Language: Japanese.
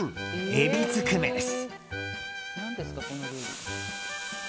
エビずくめです。